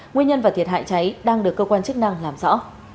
nguyên nhân và thiệt hại cháy đang được cơ quan chức năng làm rõ